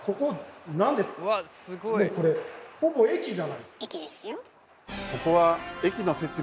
もうこれほぼ駅じゃないですか。